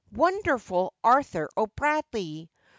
wonderful Arthur O'Bradley!